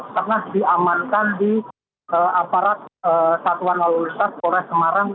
pernah diamankan di aparat satuan lalur lintas korea semarang